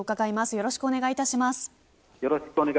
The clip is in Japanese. よろしくお願いします。